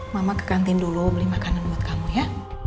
mama ke kantin dulu beli makanan buat kamu ya